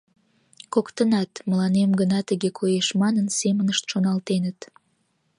Коктынат, «мыланем гына тыге коеш» манын, семынышт шоналтеныт.